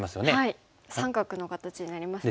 三角の形になりますよね。